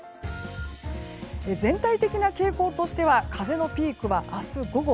全体的な傾向としては風のピークは明日午後。